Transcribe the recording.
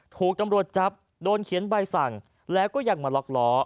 ถูกตำรวจจับโดนเขียนใบสั่งแล้วก็ยังมาล็อกล้อ